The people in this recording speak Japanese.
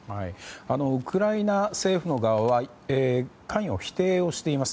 ウクライナ政府側は関与を否定しています。